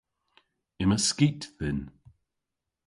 Yma skit dhyn.